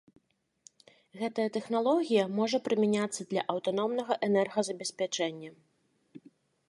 Гэтая тэхналогія можа прымяняцца для аўтаномнага энергазабеспячэння.